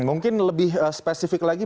mungkin lebih spesifik lagi